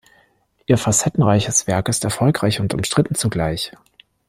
Ihr facettenreiches Werk ist erfolgreich und umstritten zugleich.